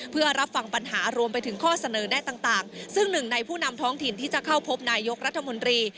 เพื่อรับฟังปัญหารวมไปถึงข้อเสนอแน่ต่างซึ่งหนึ่งในผู้นำท้องถิ่นที่จะเข้าพบนายกรัฐมนตรี